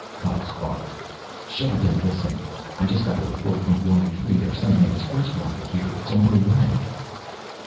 Cox barked. "Shut up and listen. I just got a report from Y 3. They're sending an express rocket here. It's on the way."